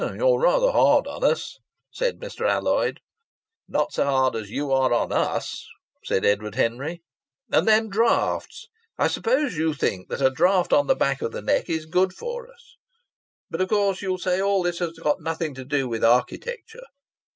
"You're rather hard on us," said Mr. Alloyd. "Not so hard as you are on us!" said Edward Henry. "And then draughts! I suppose you think a draught on the back of the neck is good for us!... But of course you'll say all this has nothing to do with architecture!"